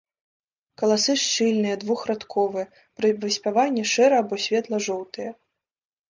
Каласы шчыльныя, двухрадковыя, пры выспяванні шэра- або светла-жоўтыя.